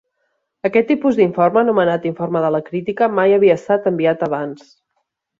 Aquest tipus d'informe, anomenat informe de la crítica, mai havia estat enviat abans.